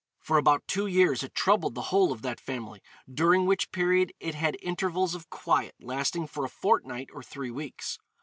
For about two years it troubled the whole of that family, during which period it had intervals of quiet lasting for a fortnight or three weeks.